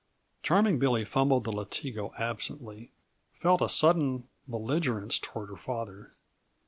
"] Charming Billy, fumbling the latigo absently, felt a sudden belligerence toward her father.